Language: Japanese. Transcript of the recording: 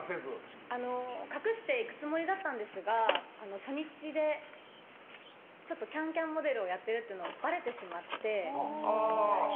隠して行くつもりだったんですが初日で「ＣａｎＣａｍ」モデルをやっているのを職場にばれてしまって。